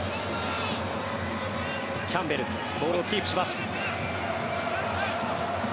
キャンベルボールをキープします。